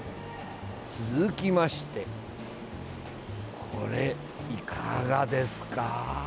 続きまして、これいかがですか？